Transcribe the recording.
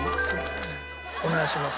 お願いします。